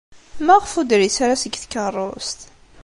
Maɣef ur d-tris ara seg tkeṛṛust?